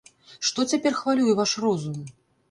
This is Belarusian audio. Што цяпер хвалюе ваш розум?